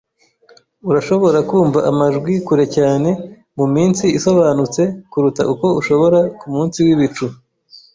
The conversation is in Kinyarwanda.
Urashobora kumva amajwi kure cyane muminsi isobanutse kuruta uko ushobora kumunsi wibicu.